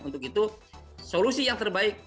untuk itu solusi yang terbaik